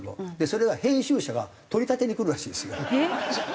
それは編集者が取り立てに来るらしいんですよ。